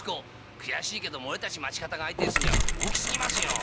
悔しいけども俺たち町方が相手にするには大きすぎますよ。